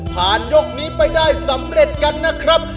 ยกนี้ไปได้สำเร็จกันนะครับ